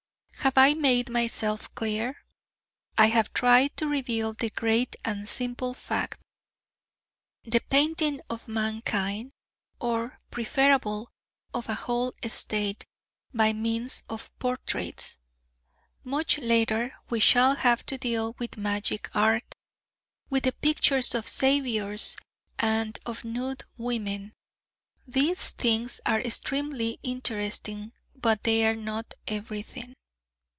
Have I made myself clear? I have tried to reveal the great and simple fact: the painting of mankind, or, preferably, of a whole state, by means of portraits. Much later we shall have to deal with magic art, with the pictures of Saviours and of nude women these things are extremely interesting, but they are not everything.